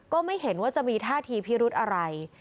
ก็ไม่เห็นว่าจะมีท่าทีพิรุธอะไร